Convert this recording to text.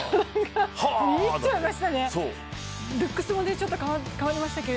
見入っちゃいましたね。